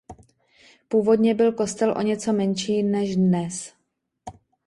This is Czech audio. Původně byl kostel o něco menší než dnes.